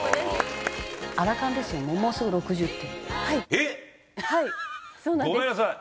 えっ！？ごめんなさい。